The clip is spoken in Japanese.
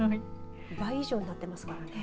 倍以上になっていますからね。